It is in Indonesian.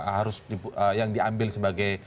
harus yang diambil sebagai